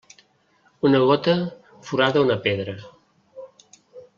Una gota forada una pedra.